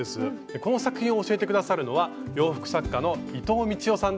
この作品を教えて下さるのは洋服作家の伊藤みちよさんです。